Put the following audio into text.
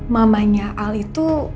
mamanya al itu